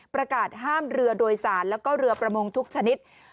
ประกาศห้ามเรือโดยสารแล้วก็เรือประมงทุกชนิด